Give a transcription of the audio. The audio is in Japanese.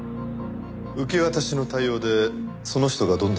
受け渡しの対応でその人がどんな人かわかる。